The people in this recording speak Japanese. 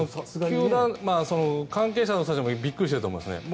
関係者の人たちもびっくりしていると思いますね。